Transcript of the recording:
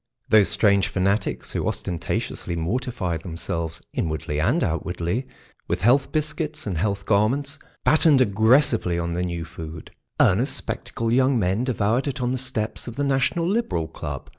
Those strange fanatics who ostentatiously mortify themselves, inwardly and outwardly, with health biscuits and health garments, battened aggressively on the new food. Earnest, spectacled young men devoured it on the steps of the National Liberal Club.